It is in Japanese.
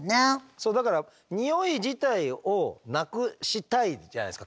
そうだからにおい自体をなくしたいじゃないですか。